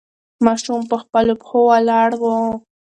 ماشوم په خپلو پښو ولاړ و.